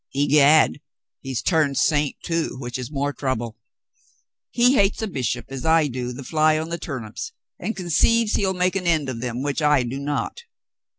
"I'gad, he is turned saint, too, which is more trouble. He hates a bishop as I do the fly on the turnips, and conceives he'll make an end of them, which I do not.